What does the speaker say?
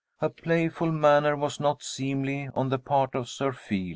A playful manner was not seemly on the part of a Sir Feal.